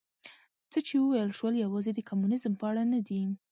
څه چې وویل شول یوازې د کمونیزم په اړه نه دي.